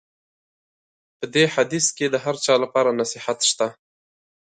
په دې حدیث کې د هر چا لپاره نصیحت شته.